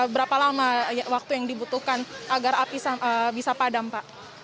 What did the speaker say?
berapa lama waktu yang dibutuhkan agar api bisa padam pak